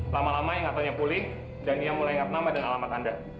lama lama yang katanya pulih dan dia mulai ingat nama dan alamat anda